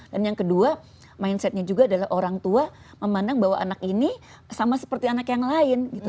dan yang kedua mindsetnya juga adalah orang tua memandang bahwa anak ini sama seperti anak yang lain